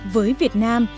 với việt nam